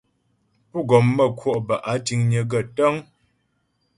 Pú́ gɔm mə́ kwɔ' bə́ áa tíŋnyə̌ gaə́ tə́ŋ.